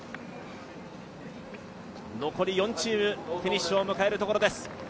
残りがフィニッシュを迎えるところです。